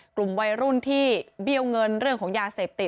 กลุ่มวัยรุ่นที่เบี้ยวเงินเรื่องของยาเสพติด